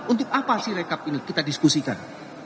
untuk apa sih rekap ini kita diskusikan